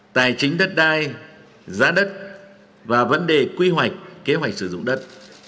tài chính đất đai giá đất và vấn đề quy hoạch kế hoạch sử dụng đất